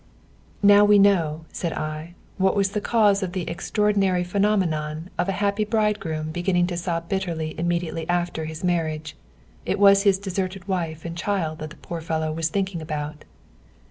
"Now we know," said I, "what was the cause of the extraordinary phenomenon of a happy bridegroom beginning to sob bitterly immediately after his marriage. It was his deserted wife and child that the poor fellow was thinking about."